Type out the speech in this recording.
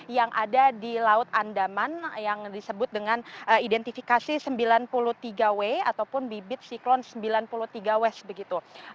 yang ada di laut andaman yang disebut dengan identifikasi sembilan puluh tiga w ataupun bibit siklon sembilan puluh tiga w begitu